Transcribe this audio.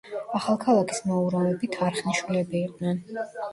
ახალქალაქის მოურავები თარხნიშვილები იყვნენ.